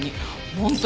本当！